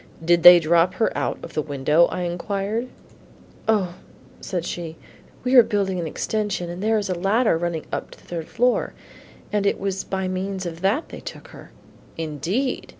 "Did they drop her out of the window?" I inquired. "O," said she, "we are building an extension, and there is a ladder running up to the third floor, and it was by means of that they took her." "Indeed!